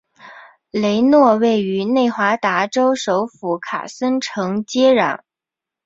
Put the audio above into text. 雷诺位于内华达州首府卡森城接壤。